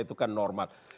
itu kan normal